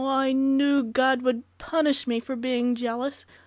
Oh, I knew God would punish me for being jealous!